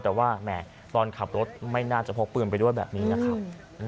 แต่ว่าแหมตอนขับรถไม่น่าจะพกปืนไปด้วยแบบนี้นะครับ